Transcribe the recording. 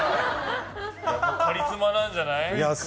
カリスマなんじゃない？